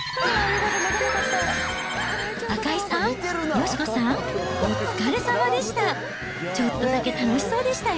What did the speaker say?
赤井さん、佳子さん、お疲れさまでした。